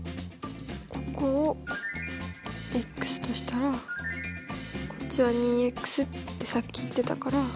ここをとしたらこっちは２ってさっき言ってたから。